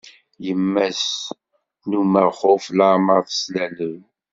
Yemma-s n umaxuf leεmer teslalew.